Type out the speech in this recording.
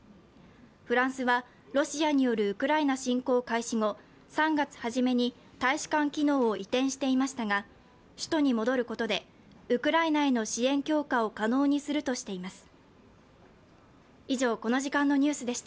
フランスは、ロシアによるウクライナ侵攻開始後、３月初めに大使館機能を移転していましたが首都に戻ることでウクライナへの支援強化を可能にするとしています。